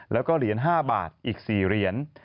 แล้วก็เหรียญ๕บาทอีก๔เหรียญ